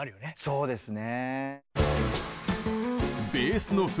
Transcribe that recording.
そうですね。